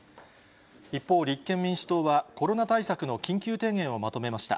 一方、立憲民主党は、コロナ対策の緊急提言をまとめました。